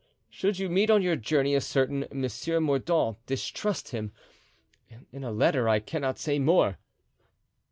"Should you meet on your journey a certain Monsieur Mordaunt, distrust him, in a letter I cannot say more."